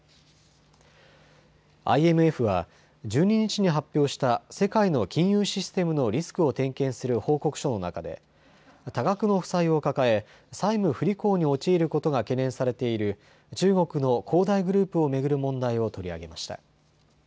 ＩＭＦは１２日に発表した世界の金融システムのリスクを点検する報告書の中で多額の負債を抱え債務不履行に陥ることが懸念されている中国の恒大グループを巡る問題を取り上げました。